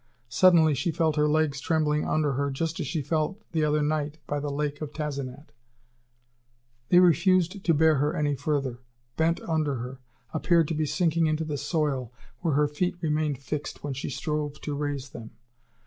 Suddenly she felt her legs trembling under her, just as she felt the other night by the lake of Tazenat; they refused to bear her any further, bent under her, appeared to be sinking into the soil, where her feet remained fixed when she strove to raise them.